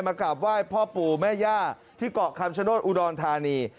กราบไหว้พ่อปู่แม่ย่าที่เกาะคำชโนธอุดรธานี